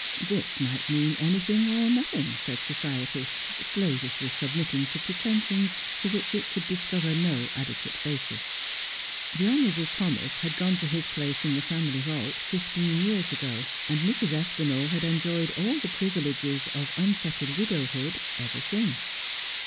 This might mean anything or nothing, said Society, slavishly submitting to pretensions for which it could discover no adequate basis. The honourable Thomas had gone to his place in the family vault fifteen years ago, and Mrs. Aspinall had enjoyed all the privileges of unfettered widowhood ever since.